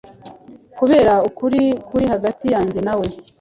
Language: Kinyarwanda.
kubera ukuri kuri hagati yanjye nawe